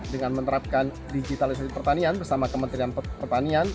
dengan menerapkan digitalisasi pertanian bersama kementerian pertanian